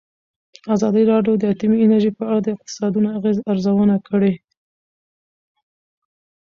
ازادي راډیو د اټومي انرژي په اړه د اقتصادي اغېزو ارزونه کړې.